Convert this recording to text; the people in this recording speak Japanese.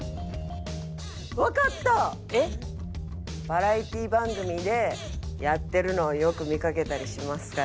バラエティ番組でやってるのをよく見かけたりしますか？